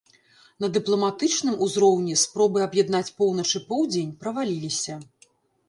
На дыпламатычным узроўні спробы аб'яднаць поўнач і поўдзень праваліліся.